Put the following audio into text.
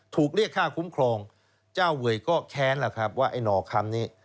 ถูกเรียกค่าคุ้มครองเจ้าเวยก็แค้นแหละครับว่าไอ้หน่อคำนี้